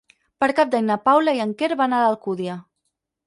Per Cap d'Any na Paula i en Quer van a l'Alcúdia.